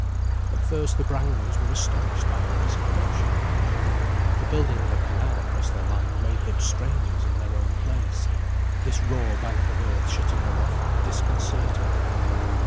At first the Brangwens were astonished by all this commotion around them. The building of a canal across their land made them strangers in their own place, this raw bank of earth shutting them off disconcerted them.